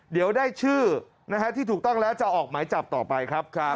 เดี๋ยวได้ชื่อที่ถูกต้องแล้วจะออกหมายจับต่อไปครับ